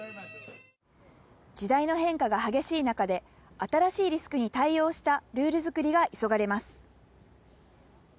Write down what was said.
時代の変化が激しい中で、新しいリスクに対応したルール作りが急がれます。